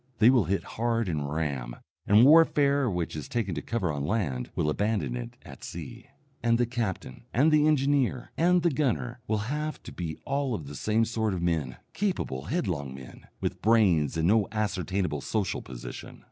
They will hit hard and ram, and warfare which is taking to cover on land will abandon it at sea. And the captain, and the engineer, and the gunner will have to be all of the same sort of men: capable, headlong men, with brains and no ascertainable social position.